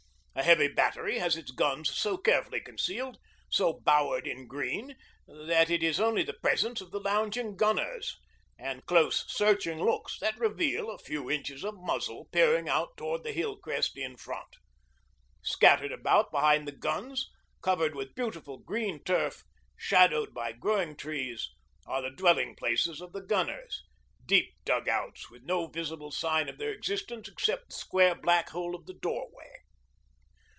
A heavy battery has its guns so carefully concealed, so bowered in green, that it is only the presence of the lounging gunners and close, searching looks that reveal a few inches of muzzle peering out towards the hill crest in front. Scattered about behind the guns, covered with beautiful green turf, shadowed by growing trees, are the dwelling places of the gunners, deep 'dug outs,' with no visible sign of their existence except the square, black hole of the doorway.